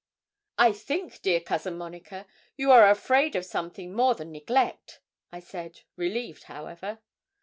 'I think, dear Cousin Monica, you are afraid of something more than neglect,' I said, relieved, however.